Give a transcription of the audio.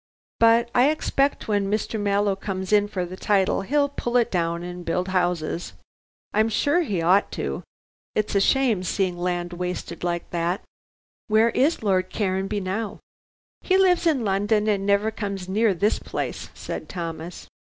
But I expect when Mr. Mallow comes in for the title he'll pull it down and build 'ouses. I'm sure he ought to: it's a shame seeing land wasted like that." "Where is Lord Caranby now?" "He lives in London and never comes near this place," said Thomas.